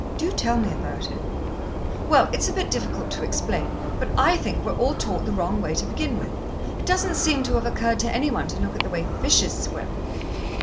"Do tell me about it." "Well, it's a bit difficult to explain, but I think we're all taught the wrong way to begin with. It doesn't seem to have occurred to any one to look at the way fishes swim."